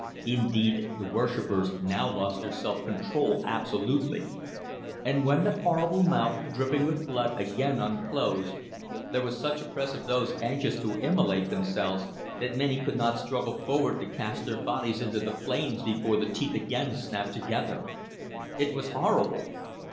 Indeed, the worshippers now lost their self control absolutely, and when the horrible mouth, dripping with blood, again unclosed, there was such a press of those anxious to immolate themselves, that many could not struggle forward to cast their bodies into the flames before the teeth again snapped together. It was horrible.